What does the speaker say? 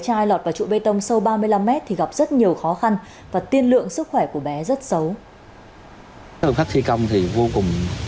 trái lọt vào trụ bê tông sâu ba mươi năm mét thì gặp rất nhiều khó khăn và tiên lượng sức khỏe của bé rất xấu